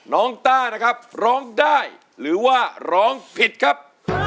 ต้านะครับร้องได้หรือว่าร้องผิดครับ